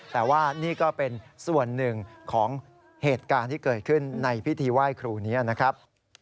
แต่ว่านี่ก็เป็นส่วนหนึ่งของเหตุการณ์ที่เกิดขึ้นในพิธีไหว้ครูนี้นะครับ